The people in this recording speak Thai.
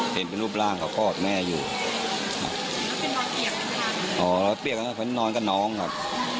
เห็นเป็นรูปร่างเขากอดแม่อยู่ครับอ๋อแล้วเปียกแล้วก็นอนกับน้องครับ